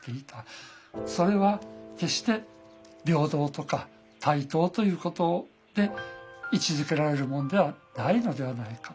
それは決して平等とか対等ということで位置づけられるものではないのではないか。